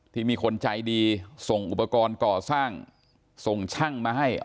ที่มีคนใจดีส่งอุปกรณ์ก่อสร้างส่งช่างมาให้